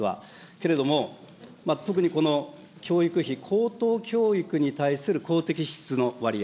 けれども、特にこの教育費、高等教育に対する公的支出の割合。